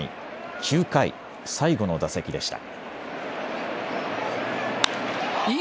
９回、最後の打席でした。